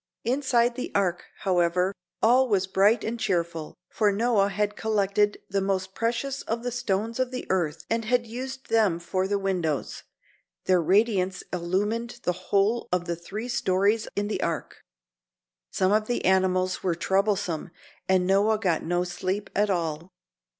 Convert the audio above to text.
Inside the Ark, however, all was bright and cheerful, for Noah had collected the most precious of the stones of the earth and had used them for the windows. Their radiance illumined the whole of the three stories in the Ark. Some of the animals were troublesome and Noah got no sleep at all.